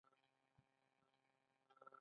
سموسه او پکوړه مشهور خواړه دي.